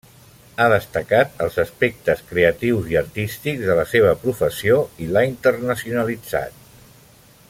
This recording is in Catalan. Ha destacat els aspectes creatius i artístics de la seva professió i l'ha internacionalitzat.